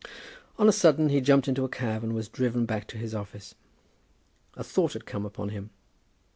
On a sudden he jumped into a cab, and was driven back to his office. A thought had come upon him.